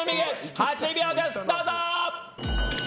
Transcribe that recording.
８秒です、どうぞ。